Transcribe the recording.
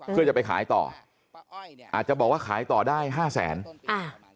เพื่อจะไปขายต่ออาจจะบอกว่าขายต่อได้ห้าแสนอ่า